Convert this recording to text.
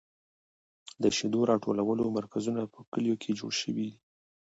د شیدو راټولولو مرکزونه په کلیو کې جوړ شوي دي.